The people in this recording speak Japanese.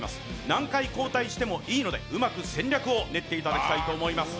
何回交代してもいいので、うまく戦略を練ってもらいたいと思います。